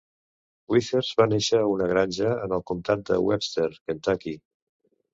Withers va néixer a una granja en el comtat de Webster, Kentucky.